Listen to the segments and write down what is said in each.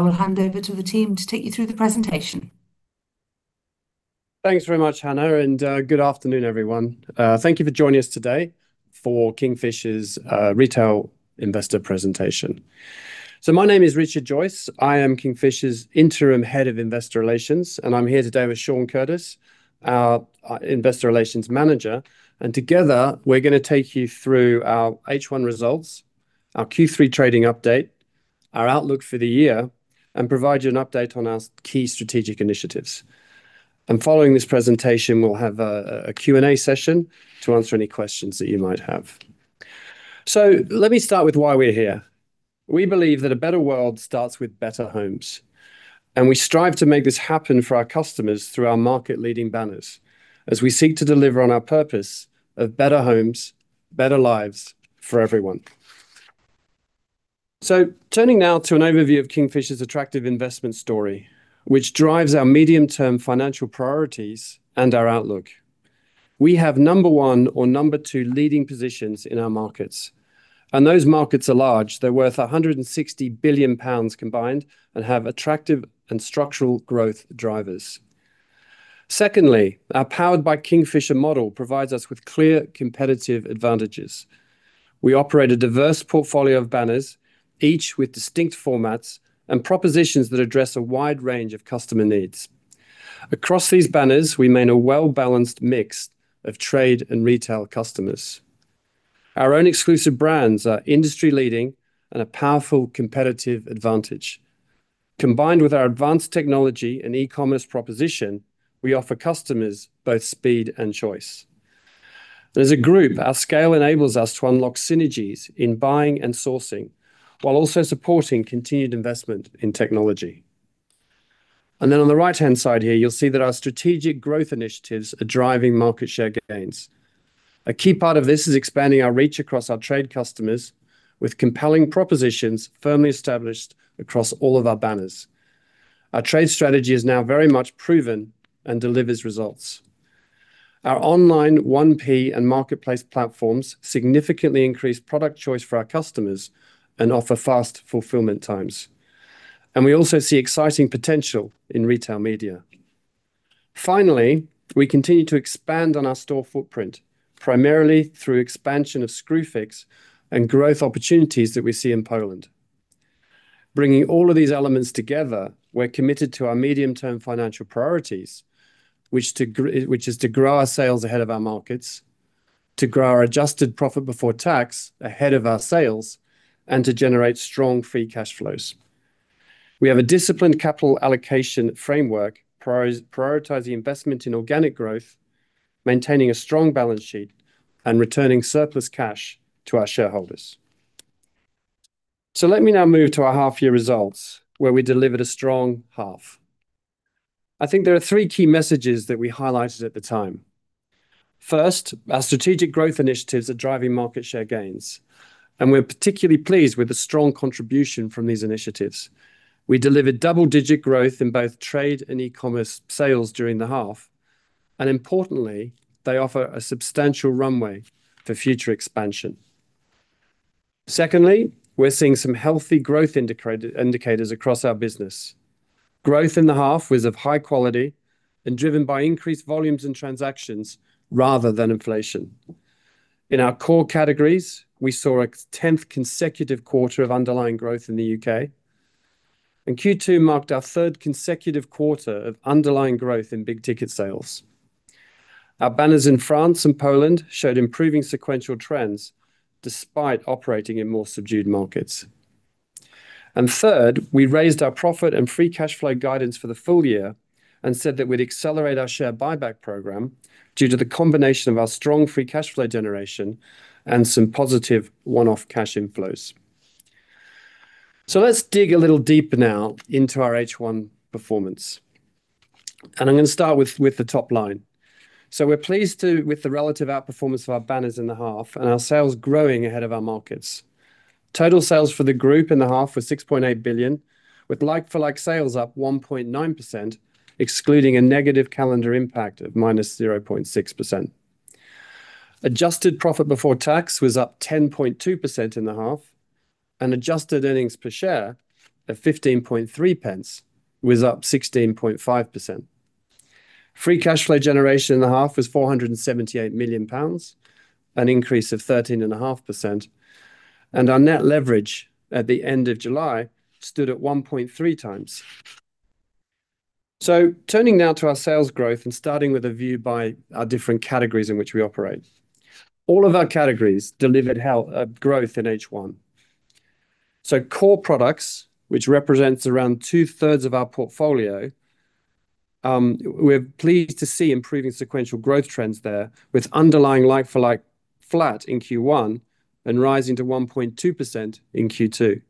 I'll hand over to the team to take you through the presentation. Thanks very much, Hannah, and good afternoon, everyone. Thank you for joining us today for Kingfisher's retail investor presentation. My name is Richard Joyce. I am Kingfisher's interim head of investor relations, and I am here today with Shaun Curtis, our investor relations manager. Together, we are going to take you through our H1 results, our Q3 trading update, our outlook for the year, and provide you an update on our key strategic initiatives. Following this presentation, we will have a Q&A session to answer any questions that you might have. Let me start with why we are here. We believe that a better world starts with better homes, and we strive to make this happen for our customers through our market-leading banners as we seek to deliver on our purpose of better homes, better lives for everyone. Turning now to an overview of Kingfisher's attractive investment story, which drives our medium-term financial priorities and our outlook. We have number one or number two leading positions in our markets, and those markets are large. They are worth 160 billion pounds combined and have attractive and structural growth drivers. Secondly, our Powered by Kingfisher model provides us with clear competitive advantages. We operate a diverse portfolio of banners, each with distinct formats and propositions that address a wide range of customer needs. Across these banners, we maintain a well-balanced mix of trade and retail customers. Our own exclusive brands are industry-leading and a powerful competitive advantage. Combined with our advanced technology and e-commerce proposition, we offer customers both speed and choice. As a group, our scale enables us to unlock synergies in buying and sourcing while also supporting continued investment in technology. On the right-hand side here, you'll see that our strategic growth initiatives are driving market share gains. A key part of this is expanding our reach across our trade customers with compelling propositions firmly established across all of our banners. Our trade strategy is now very much proven and delivers results. Our online 1P and marketplace platforms significantly increase product choice for our customers and offer fast fulfillment times. We also see exciting potential in retail media. Finally, we continue to expand on our store footprint, primarily through expansion of Screwfix and growth opportunities that we see in Poland. Bringing all of these elements together, we're committed to our medium-term financial priorities, which is to grow our sales ahead of our markets, to grow our adjusted profit before tax ahead of our sales, and to generate strong free cash flows. We have a disciplined capital allocation framework, prioritizing investment in organic growth, maintaining a strong balance sheet, and returning surplus cash to our shareholders. Let me now move to our half-year results, where we delivered a strong half. I think there are three key messages that we highlighted at the time. First, our strategic growth initiatives are driving market share gains, and we're particularly pleased with the strong contribution from these initiatives. We delivered double-digit growth in both trade and e-commerce sales during the half, and importantly, they offer a substantial runway for future expansion. Secondly, we're seeing some healthy growth indicators across our business. Growth in the half was of high quality and driven by increased volumes and transactions rather than inflation. In our core categories, we saw a 10th consecutive quarter of underlying growth in the U.K., and Q2 marked our third consecutive quarter of underlying growth in big ticket sales. Our banners in France and Poland showed improving sequential trends despite operating in more subdued markets. Third, we raised our profit and free cash flow guidance for the full year and said that we'd accelerate our share buyback program due to the combination of our strong free cash flow generation and some positive one-off cash inflows. Let's dig a little deeper now into our H1 performance. I'm going to start with the top line. We're pleased with the relative outperformance of our banners in the half and our sales growing ahead of our markets. Total sales for the group in the half was 6.8 billion, with like-for-like sales up 1.9%, excluding a negative calendar impact of minus 0.6%. Adjusted profit before tax was up 10.2% in the half, and adjusted earnings per share of 15.3 was up 16.5%. Free cash flow generation in the half was 478 million pounds, an increase of 13.5%, and our net leverage at the end of July stood at 1.3 times. Turning now to our sales growth and starting with a view by our different categories in which we operate. All of our categories delivered growth in H1. Core products, which represents around two-thirds of our portfolio, we are pleased to see improving sequential growth trends there with underlying like-for-like flat in Q1 and rising to 1.2% in Q2.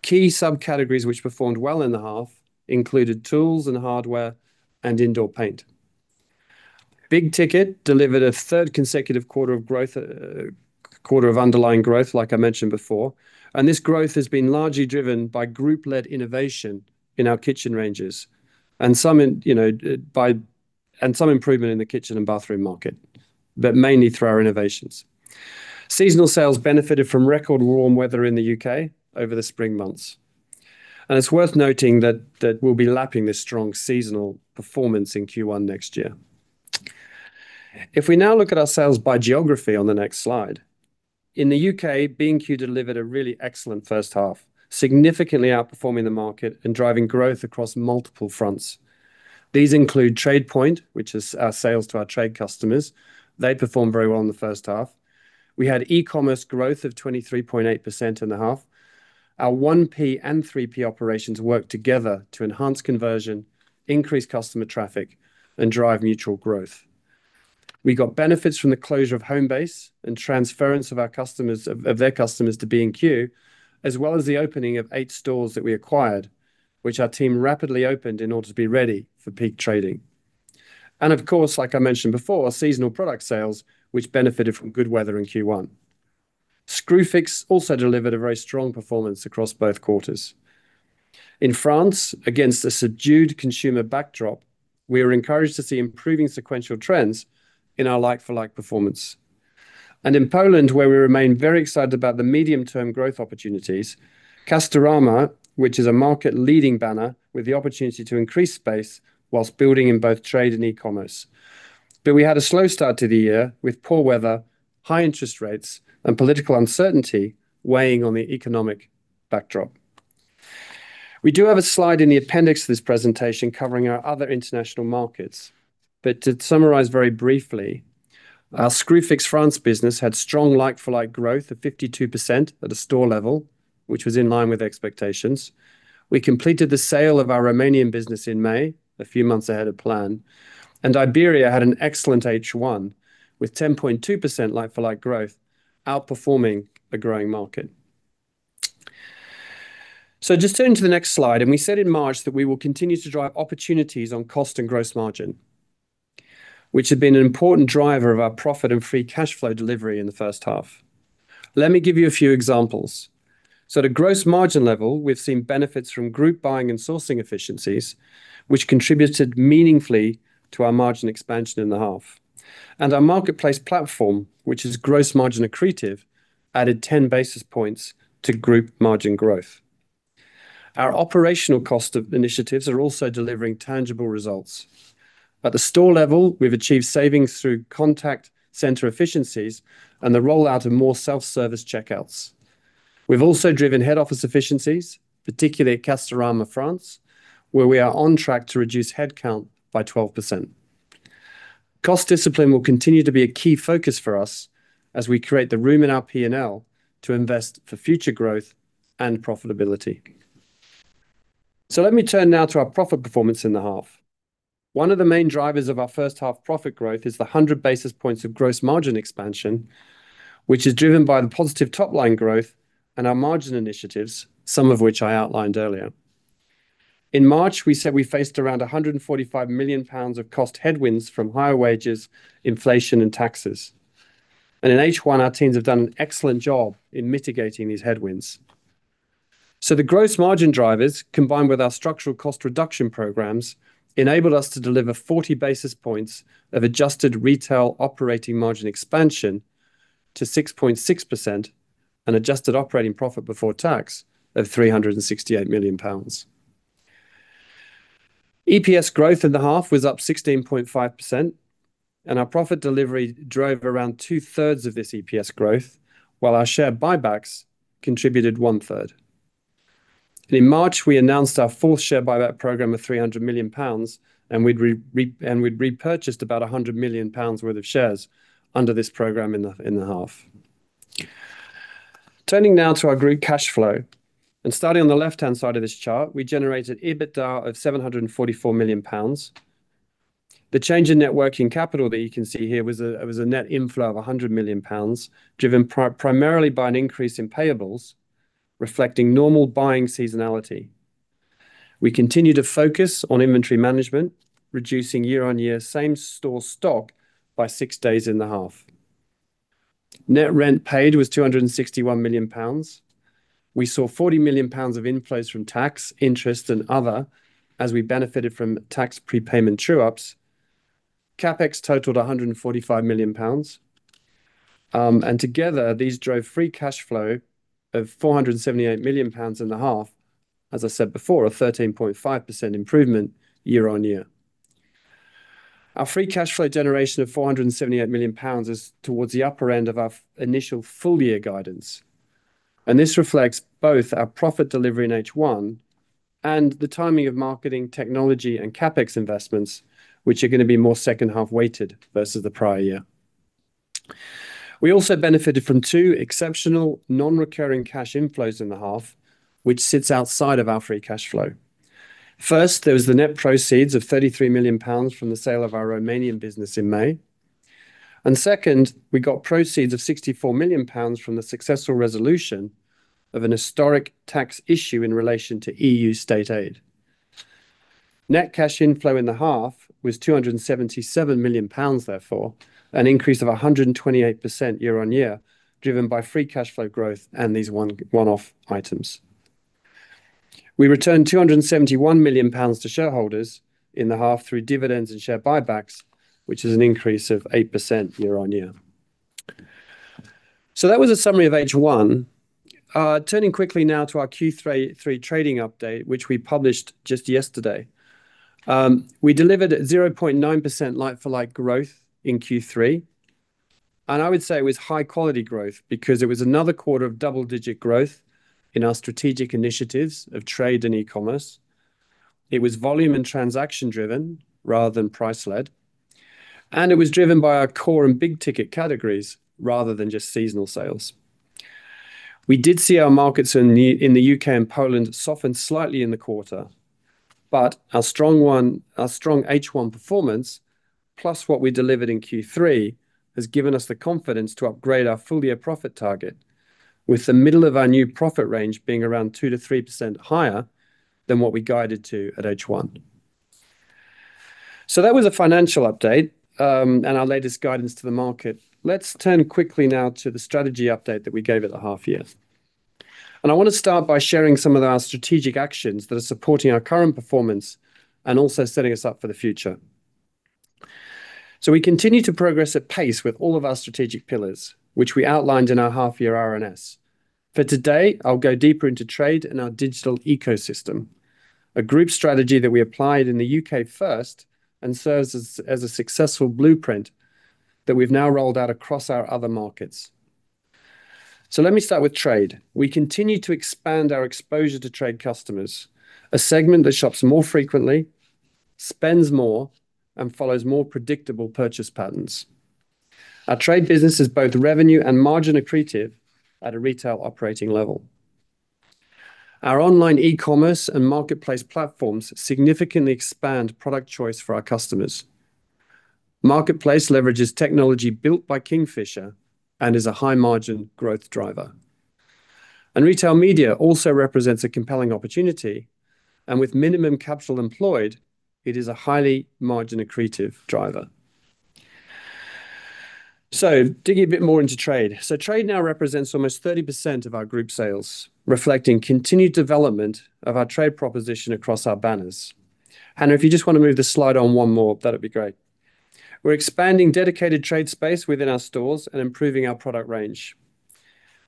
Key subcategories which performed well in the half included tools and hardware and indoor paint. Big ticket delivered a third consecutive quarter of underlying growth, like I mentioned before. This growth has been largely driven by group-led innovation in our kitchen ranges and some improvement in the kitchen and bathroom market, but mainly through our innovations. Seasonal sales benefited from record warm weather in the U.K. over the spring months. It is worth noting that we will be lapping this strong seasonal performance in Q1 next year. If we now look at our sales by geography on the next slide, in the U.K., B&Q delivered a really excellent first half, significantly outperforming the market and driving growth across multiple fronts. These include TradePoint, which is our sales to our trade customers. They performed very well in the first half. We had e-commerce growth of 23.8% in the half. Our 1P and 3P operations worked together to enhance conversion, increase customer traffic, and drive mutual growth. We got benefits from the closure of Homebase and transference of their customers to B&Q, as well as the opening of eight stores that we acquired, which our team rapidly opened in order to be ready for peak trading. Of course, like I mentioned before, seasonal product sales, which benefited from good weather in Q1. Screwfix also delivered a very strong performance across both quarters. In France, against a subdued consumer backdrop, we are encouraged to see improving sequential trends in our like-for-like performance. In Poland, where we remain very excited about the medium-term growth opportunities, Castorama, which is a market-leading banner with the opportunity to increase space whilst building in both trade and e-commerce. We had a slow start to the year with poor weather, high interest rates, and political uncertainty weighing on the economic backdrop. We do have a slide in the appendix to this presentation covering our other international markets. To summarize very briefly, our Screwfix France business had strong like-for-like growth of 52% at a store level, which was in line with expectations. We completed the sale of our Romanian business in May, a few months ahead of plan, and Iberia had an excellent H1 with 10.2% like-for-like growth, outperforming a growing market. Just turn to the next slide, and we said in March that we will continue to drive opportunities on cost and gross margin, which have been an important driver of our profit and free cash flow delivery in the first half. Let me give you a few examples. At a gross margin level, we've seen benefits from group buying and sourcing efficiencies, which contributed meaningfully to our margin expansion in the half. Our marketplace platform, which is gross margin accretive, added 10 basis points to group margin growth. Our operational cost initiatives are also delivering tangible results. At the store level, we've achieved savings through contact center efficiencies and the rollout of more self-service checkouts. We've also driven head office efficiencies, particularly at Castorama France, where we are on track to reduce headcount by 12%. Cost discipline will continue to be a key focus for us as we create the room in our P&L to invest for future growth and profitability. Let me turn now to our profit performance in the half. One of the main drivers of our first half profit growth is the 100 basis points of gross margin expansion, which is driven by the positive top line growth and our margin initiatives, some of which I outlined earlier. In March, we said we faced around 145 million pounds of cost headwinds from higher wages, inflation, and taxes. In H1, our teams have done an excellent job in mitigating these headwinds. The gross margin drivers, combined with our structural cost reduction programs, enabled us to deliver 40 basis points of adjusted retail operating margin expansion to 6.6% and adjusted operating profit before tax of 368 million pounds. EPS growth in the half was up 16.5%, and our profit delivery drove around two-thirds of this EPS growth, while our share buybacks contributed one-third. In March, we announced our fourth share buyback program of 300 million pounds, and we had repurchased about 100 million pounds worth of shares under this program in the half. Turning now to our group cash flow, and starting on the left-hand side of this chart, we generated EBITDA of 744 million pounds. The change in net working capital that you can see here was a net inflow of 100 million pounds, driven primarily by an increase in payables reflecting normal buying seasonality. We continue to focus on inventory management, reducing year-on-year same store stock by six days in the half. Net rent paid was 261 million pounds. We saw 40 million pounds of inflows from tax, interest, and other as we benefited from tax prepayment true-ups. CapEx totaled 145 million pounds. Together, these drove free cash flow of 478 million pounds in the half, as I said before, a 13.5% improvement year-on-year. Our free cash flow generation of 478 million pounds is towards the upper end of our initial full-year guidance. This reflects both our profit delivery in H1 and the timing of marketing, technology, and CapEx investments, which are going to be more second-half weighted versus the prior year. We also benefited from two exceptional non-recurring cash inflows in the half, which sits outside of our free cash flow. First, there was the net proceeds of 33 million pounds from the sale of our Romanian business in May. Second, we got proceeds of 64 million pounds from the successful resolution of an historic tax issue in relation to EU state aid. Net cash inflow in the half was 277 million pounds, therefore, an increase of 128% year-on-year, driven by free cash flow growth and these one-off items. We returned 271 million pounds to shareholders in the half through dividends and share buybacks, which is an increase of 8% year-on-year. That was a summary of H1. Turning quickly now to our Q3 trading update, which we published just yesterday. We delivered 0.9% like-for-like growth in Q3. I would say it was high-quality growth because it was another quarter of double-digit growth in our strategic initiatives of trade and e-commerce. It was volume and transaction-driven rather than price-led. It was driven by our core and big ticket categories rather than just seasonal sales. We did see our markets in the U.K. and Poland soften slightly in the quarter, but our strong H1 performance, plus what we delivered in Q3, has given us the confidence to upgrade our full-year profit target, with the middle of our new profit range being around 2%-3% higher than what we guided to at H1. That was a financial update and our latest guidance to the market. Let's turn quickly now to the strategy update that we gave at the half-year. I want to start by sharing some of our strategic actions that are supporting our current performance and also setting us up for the future. We continue to progress at pace with all of our strategic pillars, which we outlined in our half-year R&S. For today, I'll go deeper into trade and our digital ecosystem, a group strategy that we applied in the U.K. first and serves as a successful blueprint that we've now rolled out across our other markets. Let me start with trade. We continue to expand our exposure to trade customers, a segment that shops more frequently, spends more, and follows more predictable purchase patterns. Our trade business is both revenue and margin accretive at a retail operating level. Our online e-commerce and marketplace platforms significantly expand product choice for our customers. Marketplace leverages technology built by Kingfisher and is a high-margin growth driver. Retail media also represents a compelling opportunity, and with minimum capital employed, it is a highly margin-accretive driver. Digging a bit more into trade, trade now represents almost 30% of our group sales, reflecting continued development of our trade proposition across our banners. If you just want to move the slide on one more, that would be great. We are expanding dedicated trade space within our stores and improving our product range.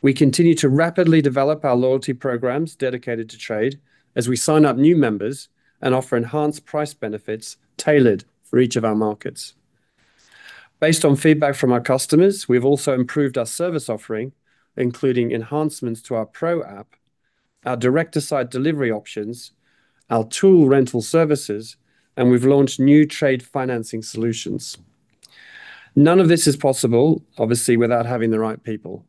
We continue to rapidly develop our loyalty programs dedicated to trade as we sign up new members and offer enhanced price benefits tailored for each of our markets. Based on feedback from our customers, we have also improved our service offering, including enhancements to our Pro app, our direct-to-site delivery options, our tool rental services, and we have launched new trade financing solutions. None of this is possible, obviously, without having the right people.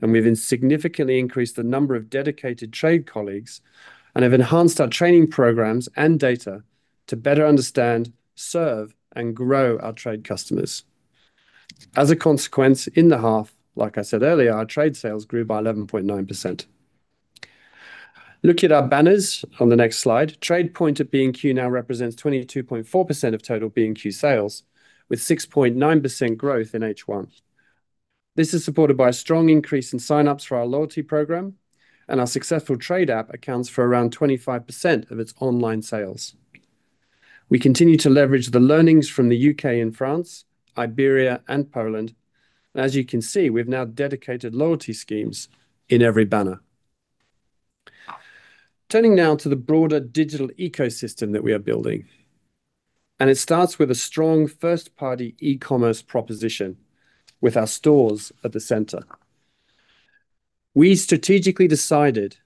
We have significantly increased the number of dedicated trade colleagues and have enhanced our training programs and data to better understand, serve, and grow our trade customers. As a consequence, in the half, like I said earlier, our trade sales grew by 11.9%. Look at our banners on the next slide. TradePoint at B&Q now represents 22.4% of total B&Q sales, with 6.9% growth in H1. This is supported by a strong increase in sign-ups for our loyalty program, and our successful trade app accounts for around 25% of its online sales. We continue to leverage the learnings from the U.K. and France, Iberia, and Poland. As you can see, we have now dedicated loyalty schemes in every banner. Turning now to the broader digital ecosystem that we are building. It starts with a strong first-party e-commerce proposition, with our stores at the center. We strategically decided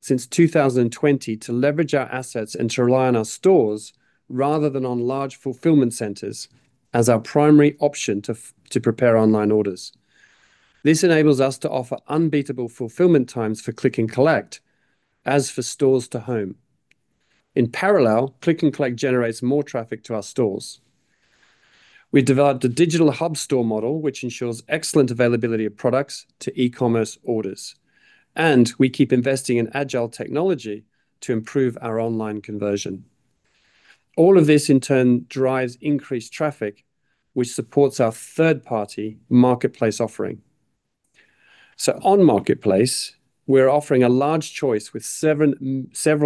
since 2020 to leverage our assets and to rely on our stores rather than on large fulfillment centers as our primary option to prepare online orders. This enables us to offer unbeatable fulfillment times for Click and Collect as for stores to home. In parallel, Click and Collect generates more traffic to our stores. We developed a digital hub store model, which ensures excellent availability of products to e-commerce orders. We keep investing in agile technology to improve our online conversion. All of this, in turn, drives increased traffic, which supports our third-party marketplace offering. On Marketplace, we're offering a large choice with several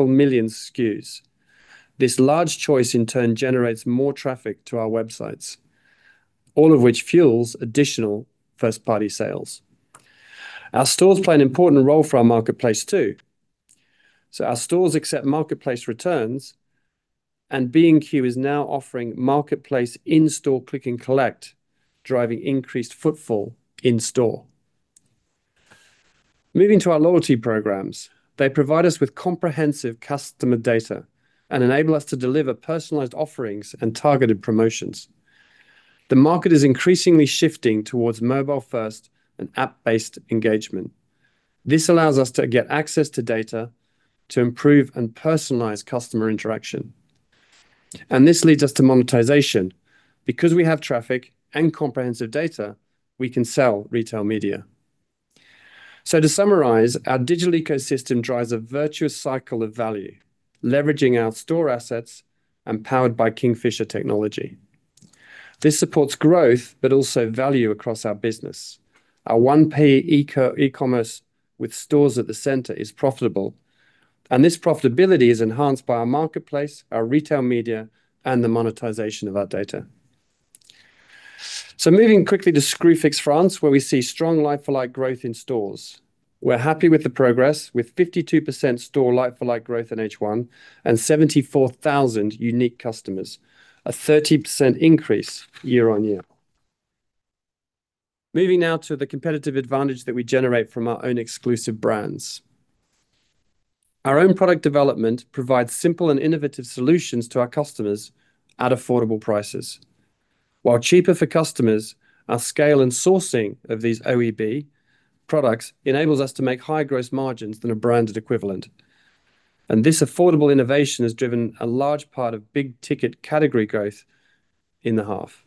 million SKUs. This large choice, in turn, generates more traffic to our websites, all of which fuels additional first-party sales. Our stores play an important role for our marketplace, too. Our stores accept marketplace returns, and B&Q is now offering marketplace in-store Click and Collect, driving increased footfall in store. Moving to our loyalty programs, they provide us with comprehensive customer data and enable us to deliver personalized offerings and targeted promotions. The market is increasingly shifting towards mobile-first and app-based engagement. This allows us to get access to data to improve and personalize customer interaction. This leads us to monetization. Because we have traffic and comprehensive data, we can sell retail media. To summarize, our digital ecosystem drives a virtuous cycle of value, leveraging our store assets and powered by Kingfisher technology. This supports growth, but also value across our business. Our one-payer e-commerce with stores at the center is profitable, and this profitability is enhanced by our marketplace, our retail media, and the monetization of our data. Moving quickly to Screwfix France, where we see strong like-for-like growth in stores. We're happy with the progress, with 52% store like-for-like growth in H1 and 74,000 unique customers, a 30% increase year-on-year. Moving now to the competitive advantage that we generate from our own exclusive brands. Our own product development provides simple and innovative solutions to our customers at affordable prices. While cheaper for customers, our scale and sourcing of these OEB products enables us to make higher gross margins than a branded equivalent. This affordable innovation has driven a large part of big ticket category growth in the half.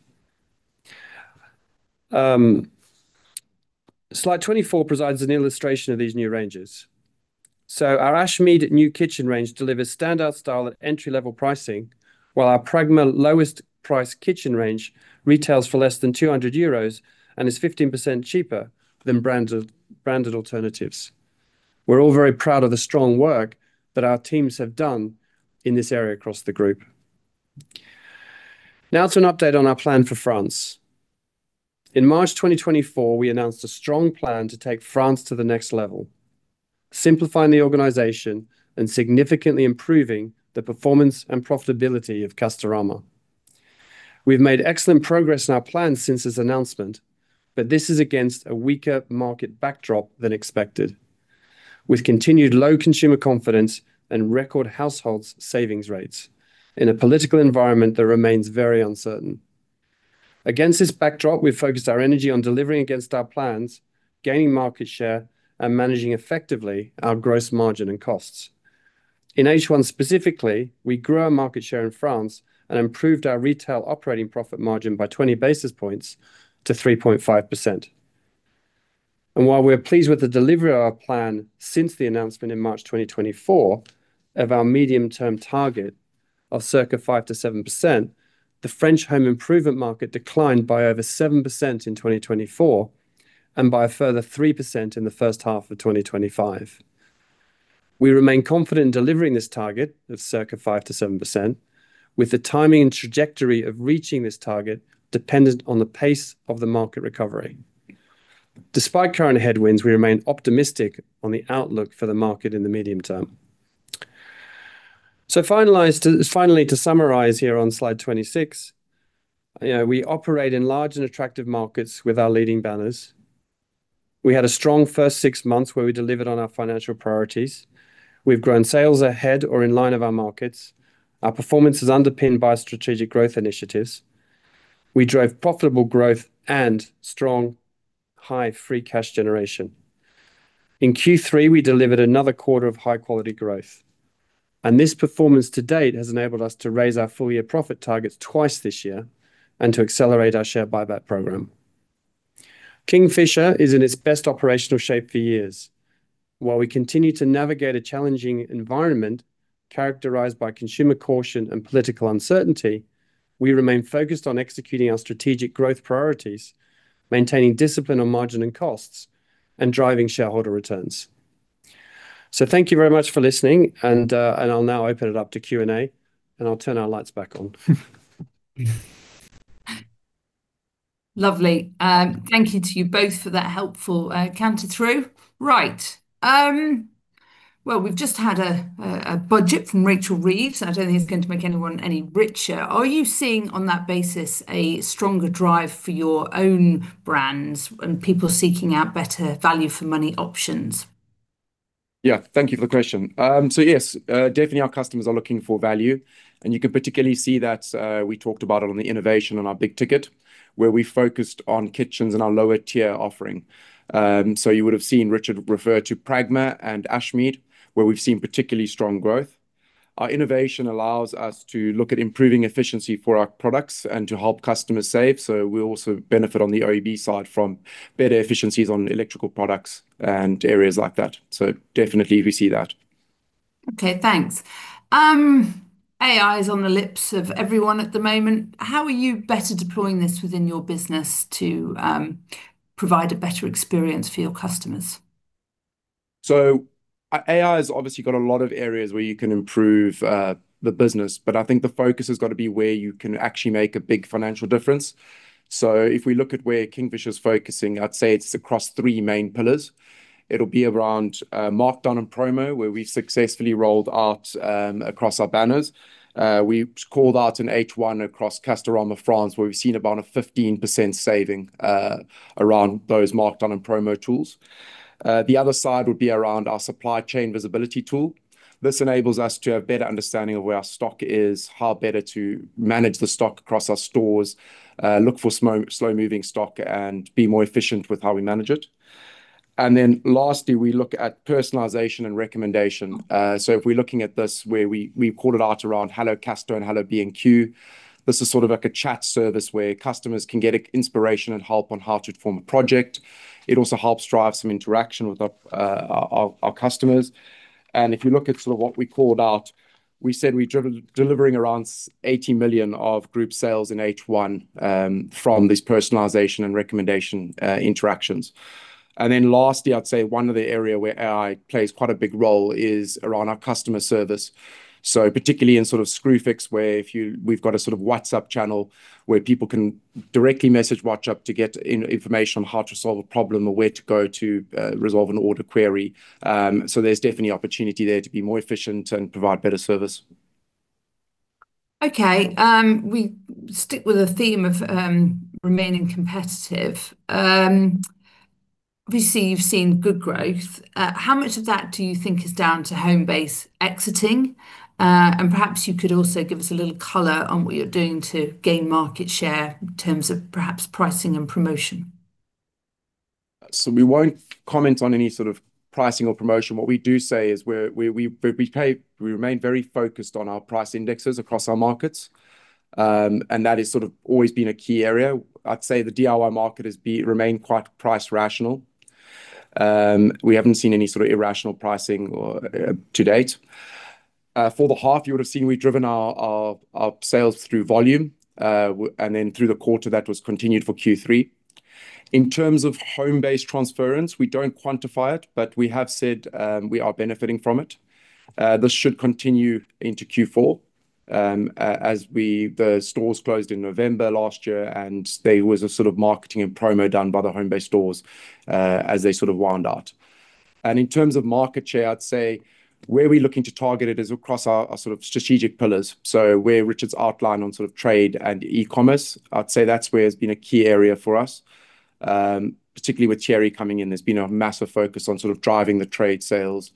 Slide 24 provides an illustration of these new ranges. Our Ashmead new kitchen range delivers standout style at entry-level pricing, while our Pragma lowest price kitchen range retails for less than 200 euros and is 15% cheaper than branded alternatives. We're all very proud of the strong work that our teams have done in this area across the group. Now to an update on our plan for France. In March 2024, we announced a strong plan to take France to the next level, simplifying the organization and significantly improving the performance and profitability of Castorama. We've made excellent progress in our plan since its announcement, but this is against a weaker market backdrop than expected, with continued low consumer confidence and record household savings rates in a political environment that remains very uncertain. Against this backdrop, we've focused our energy on delivering against our plans, gaining market share, and managing effectively our gross margin and costs. In H1 specifically, we grew our market share in France and improved our retail operating profit margin by 20 basis points to 3.5%. While we're pleased with the delivery of our plan since the announcement in March 2024 of our medium-term target of circa 5%-7%, the French home improvement market declined by over 7% in 2024 and by a further 3% in the first half of 2025. We remain confident in delivering this target of circa 5%-7%, with the timing and trajectory of reaching this target dependent on the pace of the market recovery. Despite current headwinds, we remain optimistic on the outlook for the market in the medium term. Finally, to summarize here on slide 26, we operate in large and attractive markets with our leading banners. We had a strong first six months where we delivered on our financial priorities. We've grown sales ahead or in line of our markets. Our performance is underpinned by strategic growth initiatives. We drove profitable growth and strong, high free cash generation. In Q3, we delivered another quarter of high-quality growth. This performance to date has enabled us to raise our full-year profit targets twice this year and to accelerate our share buyback program. Kingfisher is in its best operational shape for years. While we continue to navigate a challenging environment characterized by consumer caution and political uncertainty, we remain focused on executing our strategic growth priorities, maintaining discipline on margin and costs, and driving shareholder returns. Thank you very much for listening, and I'll now open it up to Q&A, and I'll turn our lights back on. Lovely. Thank you to you both for that helpful counter through. Right. We have just had a budget from Rachel Reeves. I do not think it is going to make anyone any richer. Are you seeing on that basis a stronger drive for your own brands and people seeking out better value-for-money options? Yeah, thank you for the question. Yes, definitely our customers are looking for value. You can particularly see that we talked about it on the innovation on our big ticket, where we focused on kitchens and our lower-tier offering. You would have seen Richard refer to Pragma and Ashmead, where we've seen particularly strong growth. Our innovation allows us to look at improving efficiency for our products and to help customers save. We also benefit on the OEB side from better efficiencies on electrical products and areas like that. Definitely we see that. Okay, thanks. AI is on the lips of everyone at the moment. How are you better deploying this within your business to provide a better experience for your customers? AI has obviously got a lot of areas where you can improve the business, but I think the focus has got to be where you can actually make a big financial difference. If we look at where Kingfisher is focusing, I'd say it's across three main pillars. It'll be around Markdown and Promo, where we've successfully rolled out across our banners. We called out in H1 across Castorama France, where we've seen about a 15% saving around those Markdown and Promo tools. The other side would be around our supply chain visibility tool. This enables us to have better understanding of where our stock is, how better to manage the stock across our stores, look for slow-moving stock, and be more efficient with how we manage it. Lastly, we look at personalization and recommendation. If we're looking at this, where we called it out around Hello Castorama and Hello B&Q, this is sort of like a chat service where customers can get inspiration and help on how to form a project. It also helps drive some interaction with our customers. If you look at sort of what we called out, we said we're delivering around 80 million of group sales in H1 from these personalization and recommendation interactions. Lastly, I'd say one of the areas where AI plays quite a big role is around our customer service. Particularly in sort of Screwfix, where we've got a sort of WhatsApp channel where people can directly message WhatsApp to get information on how to solve a problem or where to go to resolve an order query. There's definitely opportunity there to be more efficient and provide better service. Okay, we stick with the theme of remaining competitive. Obviously, you've seen good growth. How much of that do you think is down to Homebase exiting? Perhaps you could also give us a little color on what you're doing to gain market share in terms of perhaps pricing and promotion. We won't comment on any sort of pricing or promotion. What we do say is we remain very focused on our price indexes across our markets. That has sort of always been a key area. I'd say the DIY market has remained quite price rational. We haven't seen any sort of irrational pricing to date. For the half, you would have seen we've driven our sales through volume, and then through the quarter, that was continued for Q3. In terms of Homebase transference, we don't quantify it, but we have said we are benefiting from it. This should continue into Q4 as the stores closed in November last year, and there was a sort of marketing and promo done by the Homebase stores as they sort of wound out. In terms of market share, I'd say where we're looking to target it is across our sort of strategic pillars. Where Richard's outlined on sort of trade and e-commerce, I'd say that's where it's been a key area for us. Particularly with Thierry coming in, there's been a massive focus on sort of driving the trade sales,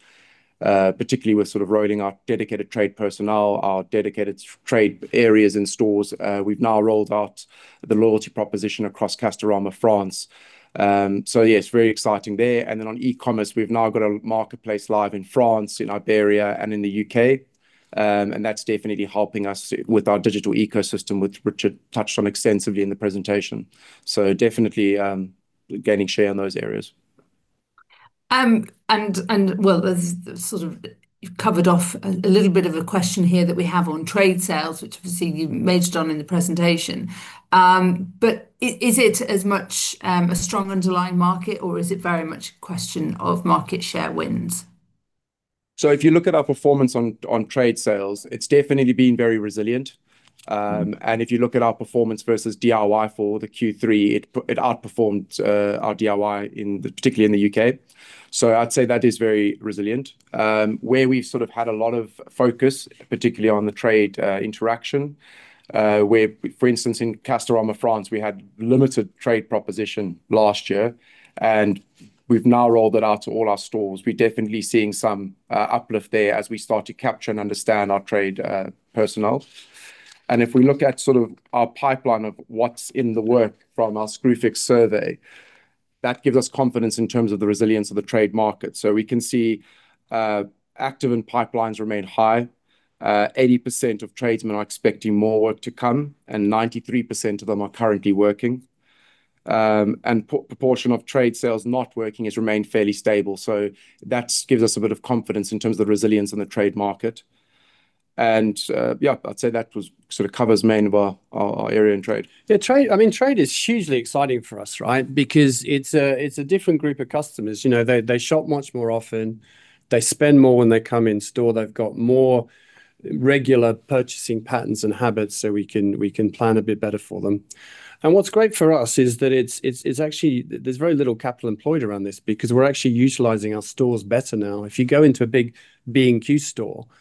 particularly with sort of rolling out dedicated trade personnel, our dedicated trade areas in stores. We've now rolled out the loyalty proposition across Castorama France. Yeah, it's very exciting there. On e-commerce, we've now got a marketplace live in France, in Iberia, and in the U.K. That's definitely helping us with our digital ecosystem, which Richard touched on extensively in the presentation. Definitely gaining share in those areas. You've covered off a little bit of a question here that we have on trade sales, which obviously you majored on in the presentation. Is it as much a strong underlying market, or is it very much a question of market share wins? If you look at our performance on trade sales, it's definitely been very resilient. If you look at our performance versus DIY for Q3, it outperformed our DIY, particularly in the U.K. I'd say that is very resilient. Where we've sort of had a lot of focus, particularly on the trade interaction, for instance, in Castorama France, we had limited trade proposition last year, and we've now rolled it out to all our stores. We're definitely seeing some uplift there as we start to capture and understand our trade personnel. If we look at sort of our pipeline of what's in the work from our Screwfix survey, that gives us confidence in terms of the resilience of the trade market. We can see active and pipelines remain high. 80% of tradesmen are expecting more work to come, and 93% of them are currently working. The proportion of trade sales not working has remained fairly stable. That gives us a bit of confidence in terms of the resilience in the trade market. Yeah, I'd say that sort of covers mainly our area in trade. Yeah, trade, I mean, trade is hugely exciting for us, right? Because it's a different group of customers. You know, they shop much more often. They spend more when they come in store. They've got more regular purchasing patterns and habits, so we can plan a bit better for them. What's great for us is that it's actually, there's very little capital employed around this because we're actually utilizing our stores better now. If you go into a big B&Q store, you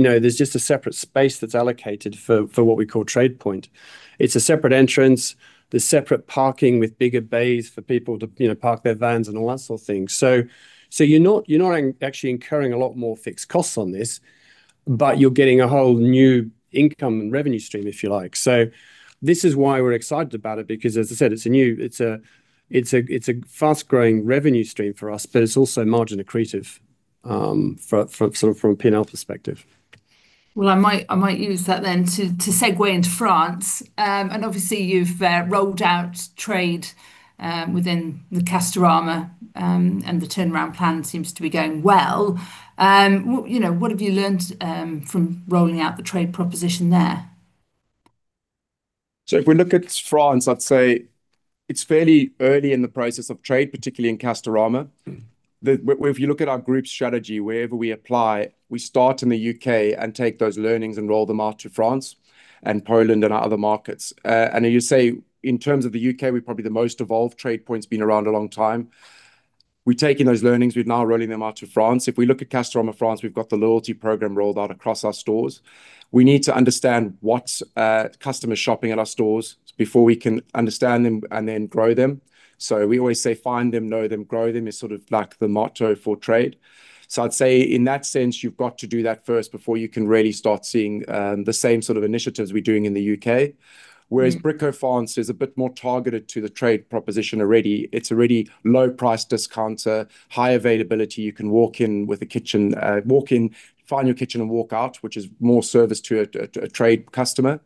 know, there's just a separate space that's allocated for what we call TradePoint. It's a separate entrance. There's separate parking with bigger bays for people to park their vans and all that sort of thing. You're not actually incurring a lot more fixed costs on this, but you're getting a whole new income and revenue stream, if you like. This is why we're excited about it, because, as I said, it's a new, it's a fast-growing revenue stream for us, but it's also margin accretive from a P&L perspective. I might use that then to segue into France. Obviously, you've rolled out trade within the Castorama, and the turnaround plan seems to be going well. You know, what have you learned from rolling out the trade proposition there? If we look at France, I'd say it's fairly early in the process of trade, particularly in Castorama. If you look at our group strategy, wherever we apply, we start in the U.K. and take those learnings and roll them out to France and Poland and other markets. As you say, in terms of the U.K., we're probably the most evolved trade point. It's been around a long time. We've taken those learnings. We're now rolling them out to France. If we look at Castorama France, we've got the loyalty program rolled out across our stores. We need to understand what customers are shopping at our stores before we can understand them and then grow them. We always say, find them, know them, grow them. It's sort of like the motto for trade. I'd say in that sense, you've got to do that first before you can really start seeing the same sort of initiatives we're doing in the U.K. Whereas Brico France is a bit more targeted to the trade proposition already. It's already low-price discounter, high availability. You can walk in with a kitchen, walk in, find your kitchen, and walk out, which is more service to a trade customer.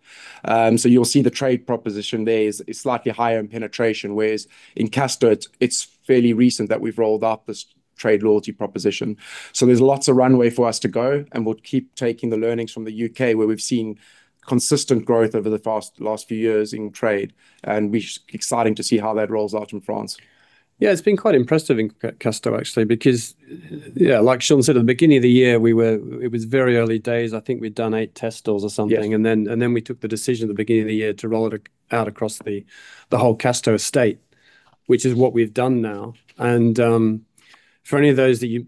You'll see the trade proposition there is slightly higher in penetration, whereas in Castorama, it's fairly recent that we've rolled out this trade loyalty proposition. There is lots of runway for us to go, and we will keep taking the learnings from the U.K., where we have seen consistent growth over the last few years in trade. It is exciting to see how that rolls out in France. Yeah, it has been quite impressive in Castorama, actually, because, yeah, like Shaun said, at the beginning of the year, it was very early days. I think we had done eight test stores or something. We took the decision at the beginning of the year to roll it out across the whole Castorama estate, which is what we have done now. For any of those of you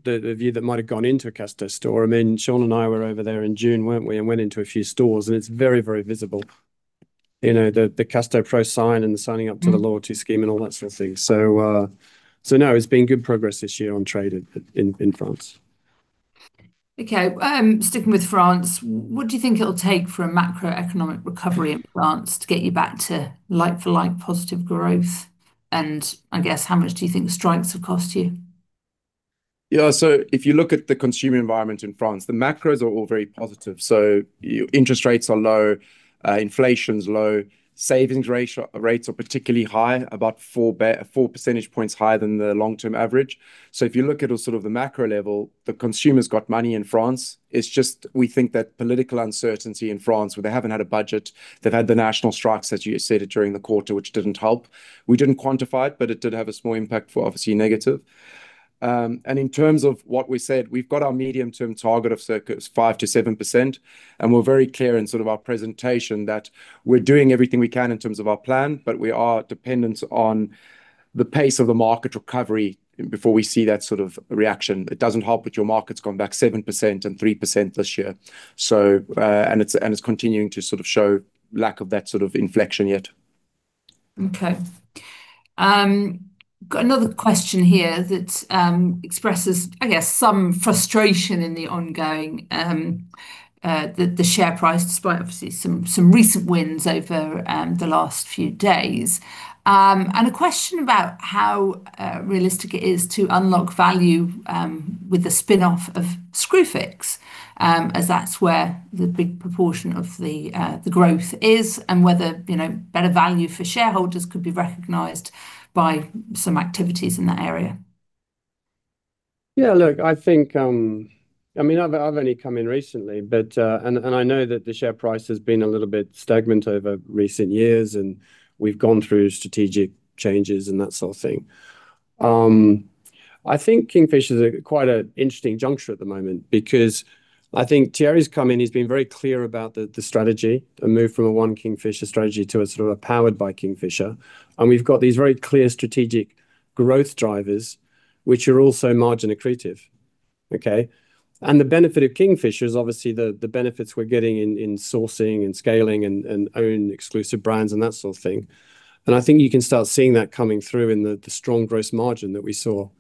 that might have gone into a Castorama store, I mean, Shaun and I were over there in June, were we not? We went into a few stores. It is very, very visible. You know, the Castor Pro sign and the signing up to the loyalty scheme and all that sort of thing. No, it's been good progress this year on trade in France. Okay, sticking with France, what do you think it'll take for a macroeconomic recovery in France to get you back to like-for-like positive growth? I guess, how much do you think the strikes have cost you? Yeah, if you look at the consumer environment in France, the macros are all very positive. Interest rates are low, inflation's low, savings rates are particularly high, about four percentage points higher than the long-term average. If you look at the macro level, the consumer's got money in France. It's just, we think that political uncertainty in France, where they haven't had a budget, they've had the national strikes, as you said, during the quarter, which didn't help. We didn't quantify it, but it did have a small impact, obviously negative. In terms of what we said, we've got our medium-term target of circa 5%-7%. We're very clear in sort of our presentation that we're doing everything we can in terms of our plan, but we are dependent on the pace of the market recovery before we see that sort of reaction. It doesn't help that your market's gone back 7% and 3% this year. It's continuing to sort of show lack of that sort of inflection yet. Okay. Got another question here that expresses, I guess, some frustration in the ongoing share price, despite obviously some recent wins over the last few days. A question about how realistic it is to unlock value with the spin-off of Screwfix, as that's where the big proportion of the growth is, and whether better value for shareholders could be recognized by some activities in that area. Yeah, look, I think, I mean, I've only come in recently, but I know that the share price has been a little bit stagnant over recent years, and we've gone through strategic changes and that sort of thing. I think Kingfisher is quite an interesting juncture at the moment because I think Thierry's come in. He's been very clear about the strategy, a move from a one Kingfisher strategy to a sort of a powered by Kingfisher. We've got these very clear strategic growth drivers, which are also margin accretive. Okay. The benefit of Kingfisher is obviously the benefits we're getting in sourcing and scaling and owning exclusive brands and that sort of thing. I think you can start seeing that coming through in the strong gross margin that we saw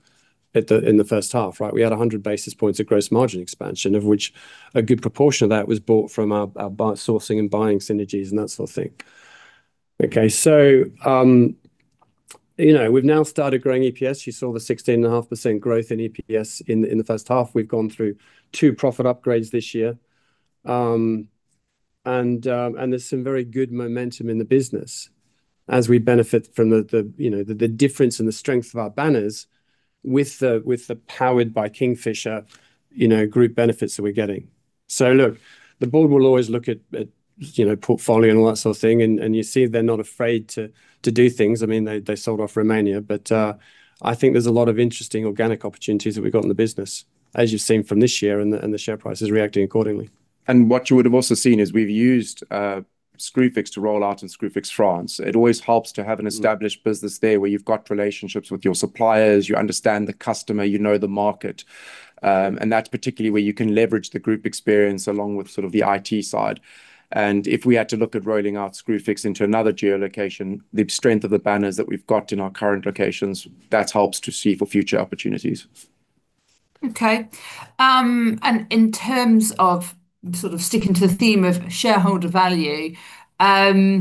in the first half, right? We had 100 basis points of gross margin expansion, of which a good proportion of that was brought from our sourcing and buying synergies and that sort of thing. Okay. We have now started growing EPS. You saw the 16.5% growth in EPS in the first half. We have gone through two profit upgrades this year. There is some very good momentum in the business as we benefit from the difference and the strength of our banners with the powered by Kingfisher group benefits that we're getting. The board will always look at portfolio and all that sort of thing. You see they're not afraid to do things. I mean, they sold off Romania, but I think there's a lot of interesting organic opportunities that we've got in the business, as you've seen from this year, and the share price is reacting accordingly. What you would have also seen is we've used Screwfix to roll out in Screwfix France. It always helps to have an established business there where you've got relationships with your suppliers. You understand the customer. You know the market. That's particularly where you can leverage the group experience along with sort of the IT side. If we had to look at rolling out Screwfix into another geolocation, the strength of the banners that we've got in our current locations, that helps to see for future opportunities. Okay. In terms of sort of sticking to the theme of shareholder value, obviously,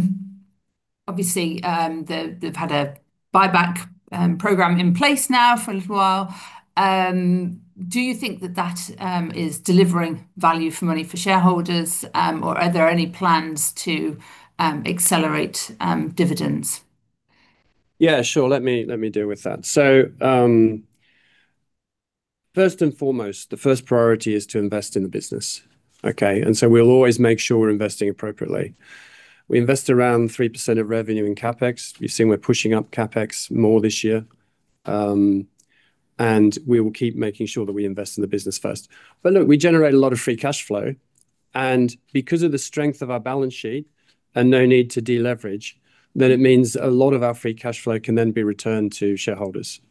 they've had a buyback program in place now for a little while. Do you think that that is delivering value for money for shareholders, or are there any plans to accelerate dividends? Yeah, sure. Let me deal with that. First and foremost, the first priority is to invest in the business. Okay. We will always make sure we're investing appropriately. We invest around 3% of revenue in CapEx. You've seen we're pushing up CapEx more this year. We will keep making sure that we invest in the business first. Look, we generate a lot of free cash flow. Because of the strength of our balance sheet and no need to deleverage, it means a lot of our free cash flow can then be returned to shareholders.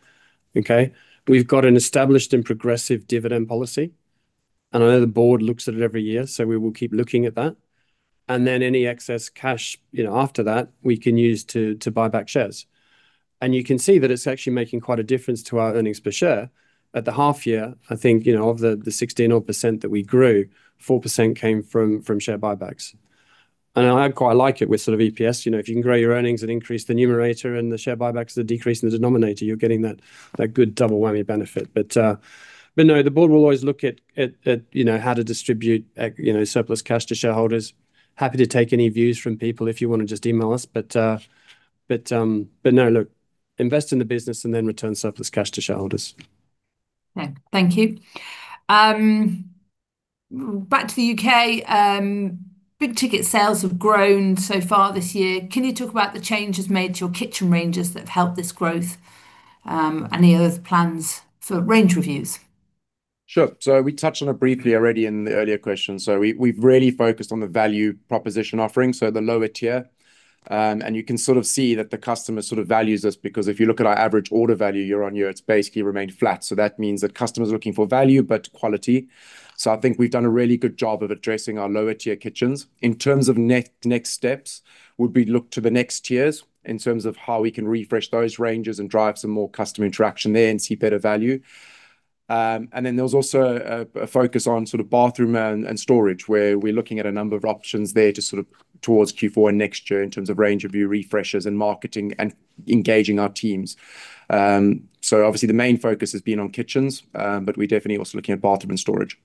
Okay. We've got an established and progressive dividend policy. I know the board looks at it every year, so we will keep looking at that. Any excess cash after that, we can use to buy back shares. You can see that it's actually making quite a difference to our earnings per share. At the half year, I think of the 16.5% that we grew, 4% came from share buybacks. I quite like it with sort of EPS. If you can grow your earnings and increase the numerator and the share buybacks that decrease in the denominator, you're getting that good double whammy benefit. The board will always look at how to distribute surplus cash to shareholders. Happy to take any views from people if you want to just email us. Invest in the business and then return surplus cash to shareholders. Okay. Thank you. Back to the U.K. Big ticket sales have grown so far this year. Can you talk about the changes made to your kitchen ranges that have helped this growth? Any other plans for range reviews? Sure. We touched on it briefly already in the earlier question. We have really focused on the value proposition offering, so the lower tier. You can sort of see that the customer values us because if you look at our average order value year on year, it has basically remained flat. That means that customers are looking for value, but quality. I think we have done a really good job of addressing our lower tier kitchens. In terms of next steps, we would be looking to the next tiers in terms of how we can refresh those ranges and drive some more customer interaction there and see better value. There is also a focus on sort of bathroom and storage, where we're looking at a number of options there towards Q4 and next year in terms of range review refreshes and marketing and engaging our teams. Obviously, the main focus has been on kitchens, but we're definitely also looking at bathroom and storage.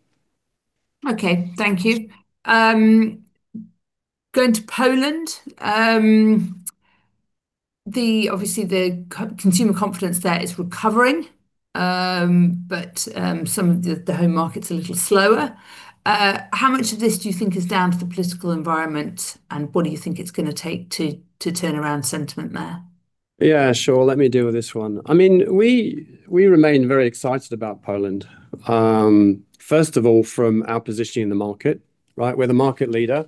Okay. Thank you. Going to Poland. Obviously, the consumer confidence there is recovering, but some of the home markets are a little slower. How much of this do you think is down to the political environment, and what do you think it's going to take to turn around sentiment there? Yeah, sure. Let me deal with this one. I mean, we remain very excited about Poland. First of all, from our positioning in the market, right? We're the market leader,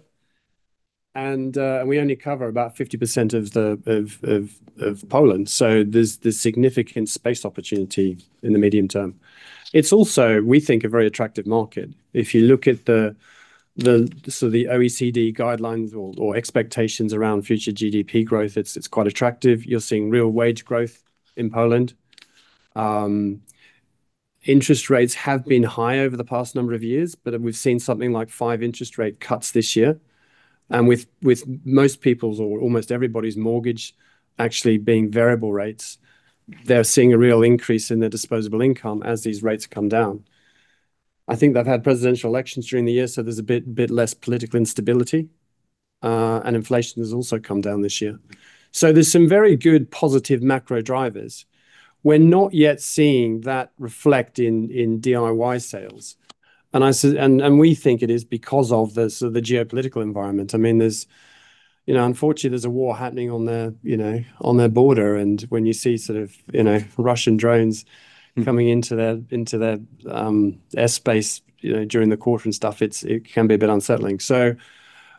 and we only cover about 50% of Poland. There is significant space opportunity in the medium term. It is also, we think, a very attractive market. If you look at the OECD guidelines or expectations around future GDP growth, it is quite attractive. You are seeing real wage growth in Poland. Interest rates have been high over the past number of years, but we have seen something like five interest rate cuts this year. With most people's, or almost everybody's, mortgage actually being variable rates, they are seeing a real increase in their disposable income as these rates come down. I think they have had presidential elections during the year, so there is a bit less political instability. Inflation has also come down this year. There are some very good positive macro drivers. We are not yet seeing that reflect in DIY sales. We think it is because of the geopolitical environment. I mean, unfortunately, there is a war happening on their border. When you see sort of Russian drones coming into their airspace during the quarter and stuff, it can be a bit unsettling.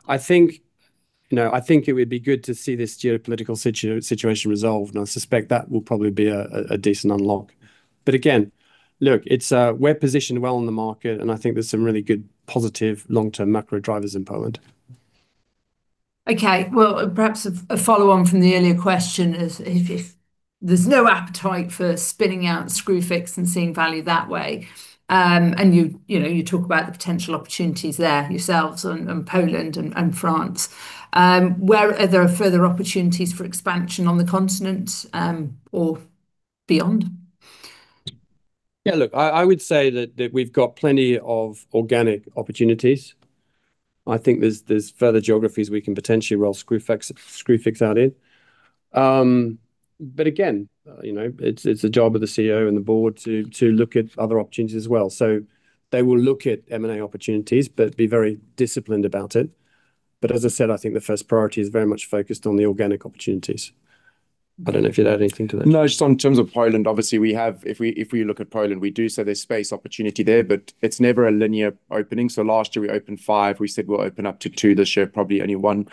I think it would be good to see this geopolitical situation resolved. I suspect that will probably be a decent unlock. Again, look, we're positioned well in the market, and I think there's some really good positive long-term macro drivers in Poland. Perhaps a follow-on from the earlier question is if there's no appetite for spinning out Screwfix and seeing value that way, and you talk about the potential opportunities there yourselves and Poland and France, where are there further opportunities for expansion on the continent or beyond? Yeah, look, I would say that we've got plenty of organic opportunities. I think there's further geographies we can potentially roll Screwfix out in. Again, it's a job of the CEO and the board to look at other opportunities as well. They will look at M&A opportunities, but be very disciplined about it. As I said, I think the first priority is very much focused on the organic opportunities. I don't know if you'd add anything to that. No, just in terms of Poland, obviously, if we look at Poland, we do see there's space opportunity there, but it's never a linear opening. Last year, we opened five. We said we'll open up to two. This year, probably only one.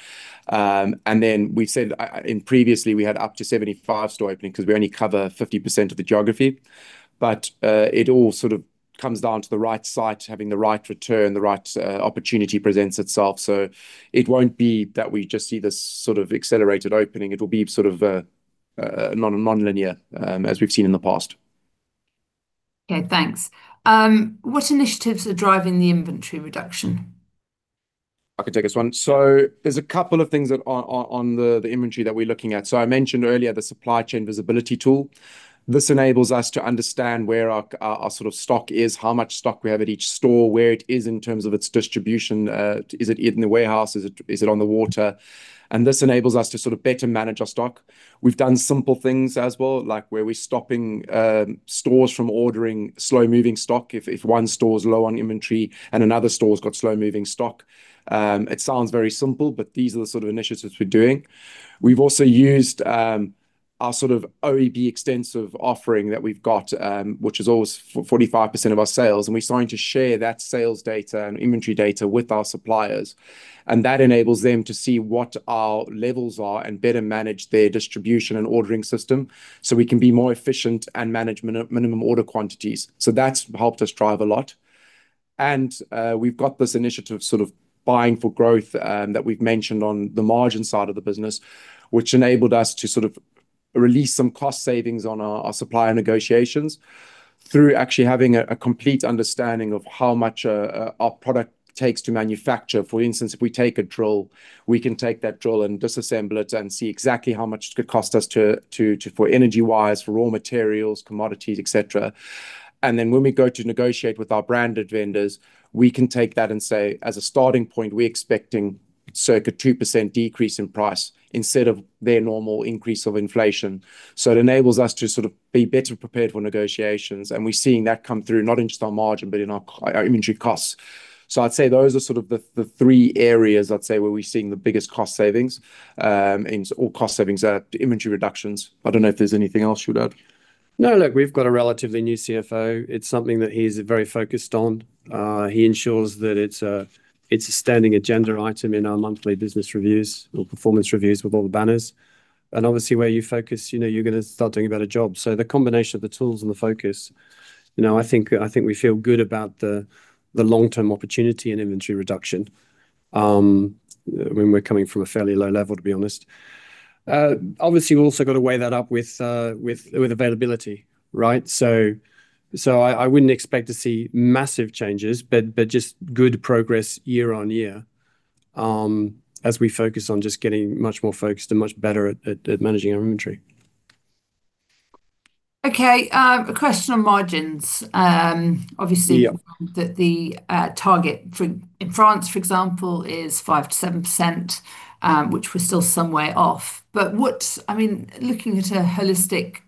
We've said previously we had up to 75 store openings because we only cover 50% of the geography. It all sort of comes down to the right site, having the right return, the right opportunity presents itself. It will not be that we just see this sort of accelerated opening. It will be sort of non-linear as we have seen in the past. Okay, thanks. What initiatives are driving the inventory reduction? I could take this one. There are a couple of things on the inventory that we are looking at. I mentioned earlier the supply chain visibility tool. This enables us to understand where our sort of stock is, how much stock we have at each store, where it is in terms of its distribution. Is it in the warehouse? Is it on the water? This enables us to better manage our stock. We have done simple things as well, like where we are stopping stores from ordering slow-moving stock. If one store is low on inventory and another store has slow-moving stock, it sounds very simple, but these are the sort of initiatives we are doing. We've also used our sort of OEB extensive offering that we've got, which is always 45% of our sales. We're starting to share that sales data and inventory data with our suppliers. That enables them to see what our levels are and better manage their distribution and ordering system so we can be more efficient and manage minimum order quantities. That's helped us drive a lot. We've got this initiative sort of buying for growth that we've mentioned on the margin side of the business, which enabled us to sort of release some cost savings on our supplier negotiations through actually having a complete understanding of how much our product takes to manufacture. For instance, if we take a drill, we can take that drill and disassemble it and see exactly how much it could cost us for energy wires, for raw materials, commodities, etc. When we go to negotiate with our branded vendors, we can take that and say, as a starting point, we're expecting circa 2% decrease in price instead of their normal increase of inflation. It enables us to sort of be better prepared for negotiations. We're seeing that come through not in just our margin, but in our inventory costs. I'd say those are sort of the three areas, I'd say, where we're seeing the biggest cost savings. All cost savings are inventory reductions. I don't know if there's anything else you'd add. No, look, we've got a relatively new CFO. It's something that he's very focused on. He ensures that it's a standing agenda item in our monthly business reviews or performance reviews with all the banners. Obviously, where you focus, you're going to start doing a better job. The combination of the tools and the focus, I think we feel good about the long-term opportunity and inventory reduction when we're coming from a fairly low level, to be honest. Obviously, we've also got to weigh that up with availability, right? I wouldn't expect to see massive changes, but just good progress year on year as we focus on just getting much more focused and much better at managing our inventory. Okay. A question on margins. Obviously, you found that the target in France, for example, is 5%-7%, which we're still some way off. I mean, looking at a holistic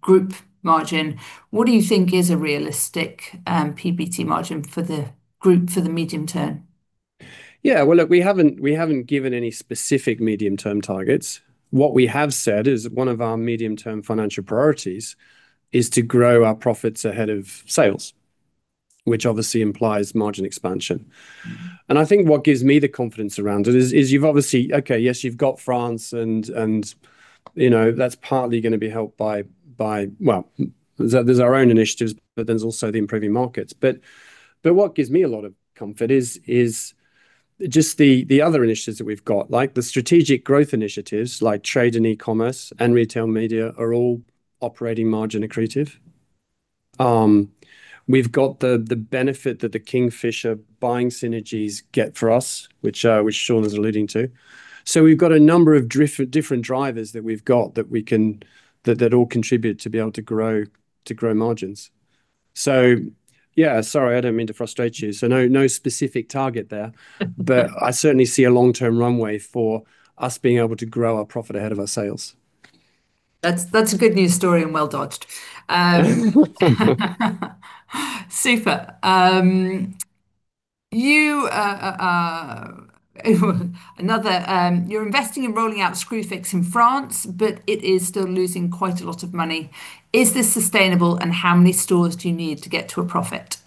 group margin, what do you think is a realistic PBT margin for the group for the medium term? Yeah, look, we haven't given any specific medium-term targets. What we have said is one of our medium-term financial priorities is to grow our profits ahead of sales, which obviously implies margin expansion. I think what gives me the confidence around it is you've obviously, okay, yes, you've got France, and that's partly going to be helped by, well, there's our own initiatives, but then there's also the improving markets. What gives me a lot of comfort is just the other initiatives that we've got, like the strategic growth initiatives like trade and e-commerce and retail media are all operating margin accretive. We've got the benefit that the Kingfisher buying synergies get for us, which Shaun is alluding to. We've got a number of different drivers that we've got that all contribute to be able to grow margins. Yeah, sorry, I don't mean to frustrate you. No specific target there, but I certainly see a long-term runway for us being able to grow our profit ahead of our sales. That's a good news story and well dodged. Super. You're investing in rolling out Screwfix in France, but it is still losing quite a lot of money. Is this sustainable, and how many stores do you need to get to a profit?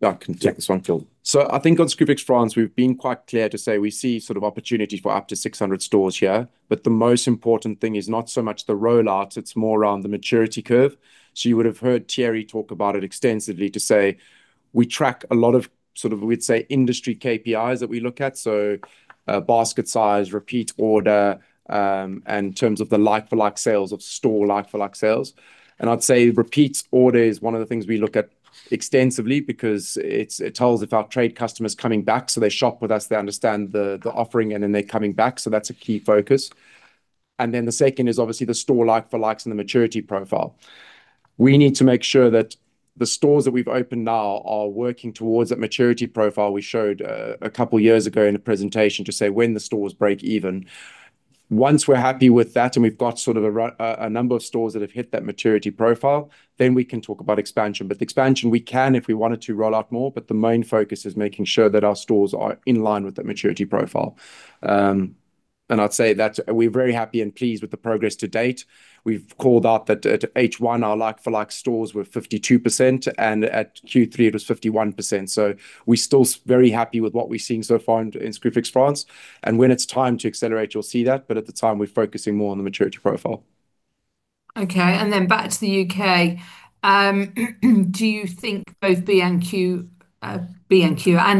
I can take this one, Richard. I think on Screwfix France, we've been quite clear to say we see sort of opportunity for up to 600 stores here. The most important thing is not so much the rollout; it's more around the maturity curve. You would have heard Thierry talk about it extensively to say we track a lot of sort of, we'd say, industry KPIs that we look at. Basket size, repeat order, and in terms of the like-for-like sales of store like-for-like sales. I'd say repeat order is one of the things we look at extensively because it tells if our trade customer's coming back. They shop with us, they understand the offering, and then they're coming back. That's a key focus. The second is obviously the store like-for-likes and the maturity profile. We need to make sure that the stores that we've opened now are working towards that maturity profile we showed a couple of years ago in a presentation to say when the stores break even. Once we're happy with that and we've got sort of a number of stores that have hit that maturity profile, then we can talk about expansion. The expansion, we can if we wanted to roll out more, but the main focus is making sure that our stores are in line with that maturity profile. I'd say that we're very happy and pleased with the progress to date. We've called out that at H1, our like-for-like stores were 52%, and at Q3, it was 51%. We're still very happy with what we're seeing so far in Screwfix France. When it's time to accelerate, you'll see that. At the time, we're focusing more on the maturity profile. Okay. Back to the U.K. Do you think both B&Q and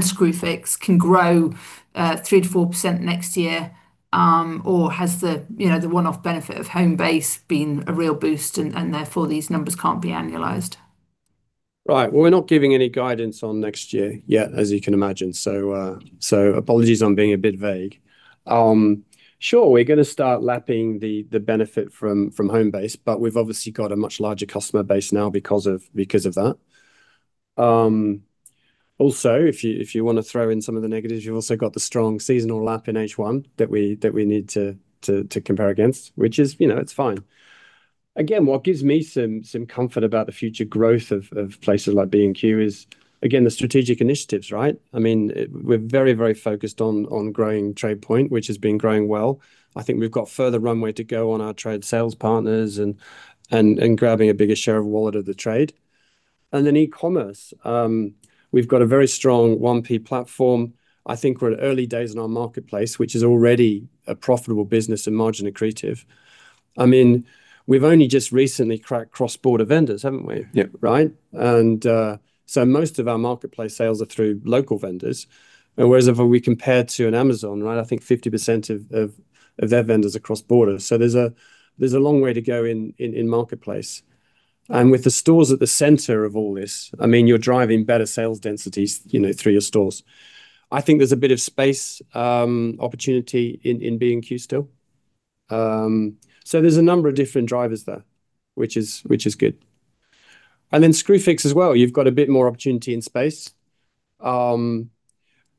Screwfix can grow 3%-4% next year, or has the one-off benefit of Homebase been a real boost and therefore these numbers can't be annualized? Right. We're not giving any guidance on next year yet, as you can imagine. Apologies on being a bit vague. Sure, we're going to start lapping the benefit from Homebase, but we've obviously got a much larger customer base now because of that. Also, if you want to throw in some of the negatives, you've also got the strong seasonal lap in H1 that we need to compare against, which is fine. Again, what gives me some comfort about the future growth of places like B&Q is, again, the strategic initiatives, right? I mean, we're very, very focused on growing TradePoint, which has been growing well. I think we've got further runway to go on our trade sales partners and grabbing a bigger share of wallet of the trade. And then e-commerce, we've got a very strong 1P platform. I think we're at early days in our marketplace, which is already a profitable business and margin accretive. I mean, we've only just recently cracked cross-border vendors, haven't we? Yeah. Right? Most of our marketplace sales are through local vendors. Whereas if we compare to an Amazon, I think 50% of their vendors are cross-border. There is a long way to go in marketplace. With the stores at the center of all this, I mean, you're driving better sales densities through your stores. I think there's a bit of space opportunity in B&Q still. There are a number of different drivers there, which is good. Then Screwfix as well, you've got a bit more opportunity in space.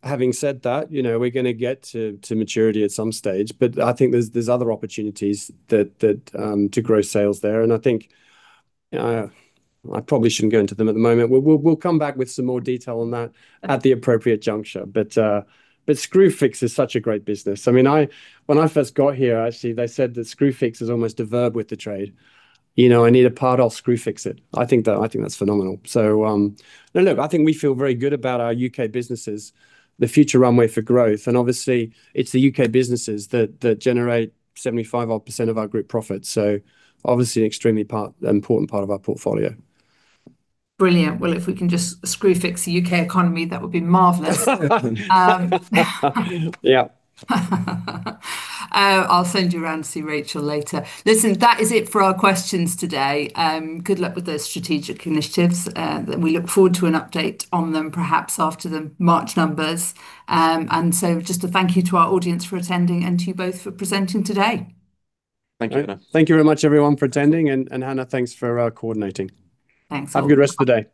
Having said that, we're going to get to maturity at some stage, but I think there are other opportunities to grow sales there. I think I probably shouldn't go into them at the moment. We'll come back with some more detail on that at the appropriate juncture. But Screwfix is such a great business. I mean, when I first got here, actually, they said that Screwfix is almost a verb with the trade. I need a part of Screwfix it. I think that's phenomenal. Look, I think we feel very good about our U.K. businesses, the future runway for growth. Obviously, it's the U.K. businesses that generate 75% of our group profits. Obviously, an extremely important part of our portfolio. Brilliant. If we can just Screwfix the U.K. economy, that would be marvelous. Yeah. I'll send you around to see Rachel later. Listen, that is it for our questions today. Good luck with those strategic initiatives. We look forward to an update on them perhaps after the March numbers. Just a thank you to our audience for attending and to you both for presenting today. Thank you. Thank you very much, everyone, for attending. And Hannah, thanks for coordinating. Thanks. Have a good rest of the day.